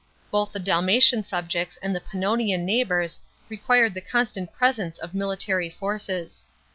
Both the Dalmatian subjects and the Pannonian neighbours required the constant presence of military forces.